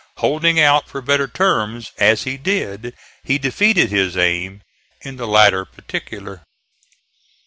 Holding out for better terms as he did he defeated his aim in the latter particular.